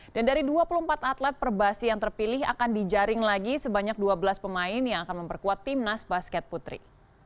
dan dari dua puluh empat atlet per basi yang terpilih akan dijaring lagi sebanyak dua belas pemain yang akan memperkuat timnas basket putri